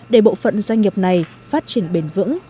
để bộ phận doanh nghiệp này phát triển bền vững